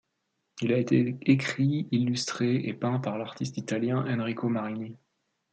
Il a été écrit, illustré, et peint par l'artiste italien Enrico Marini.